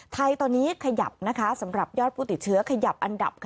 ไทยตอนนี้ขยับสำหรับยอดผู้ติดเชื้อขยับอันดับ